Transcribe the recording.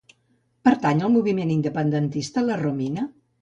Pertany al moviment independentista la Romina?